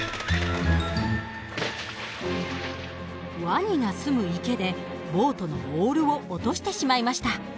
ワニが住む池でボートのオールを落としてしまいました。